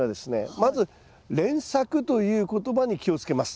まず連作という言葉に気をつけます。